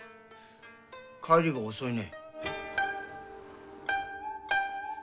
帰りが遅いね。